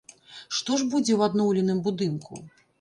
Што ж будзе ў адноўленым будынку?